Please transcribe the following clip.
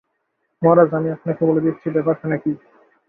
মহারাজ, আমি আপনাকে বলে দিচ্ছি ব্যাপার-খানা কী।